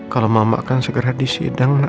kalau mama akan segera disidang nak